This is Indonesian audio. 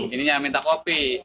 ini yang minta kopi